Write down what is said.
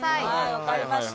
わかりました。